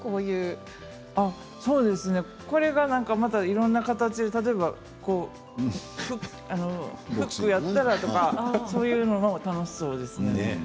これがまたいろんな形で例えば、フックをやったりとかそういうのも楽しそうですね。